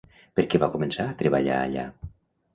Per què començà a treballar allà?